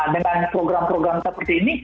dengan program program seperti ini